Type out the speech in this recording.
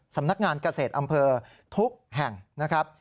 สำนักงานเกษตรอำเภอทุกแห่งนะครับ